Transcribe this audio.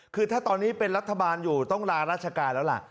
คือถ้าตอนนี้เป็นรัฐบาลอยู่ต้องลาราชการแล้วล่ะ